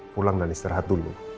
pulang dan istirahat dulu